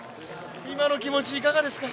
今の気持ち、いかがですか？